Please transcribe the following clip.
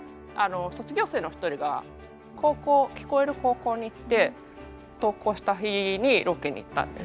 卒業生の一人が高校聞こえる高校に行って登校した日にロケに行ったんです。